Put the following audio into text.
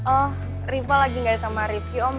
oh riva lagi nggak ada sama rifki om